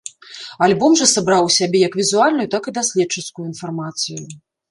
Альбом жа сабраў у сябе як візуальную, так і даследчыцкую інфармацыю.